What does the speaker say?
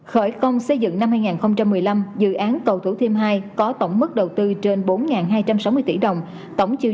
khởi công xây dựng năm hai nghìn một mươi năm dự án cầu thủ thiêm hai có tổng mức đầu tư trên bốn hai trăm sáu mươi tỷ đồng tổng chiều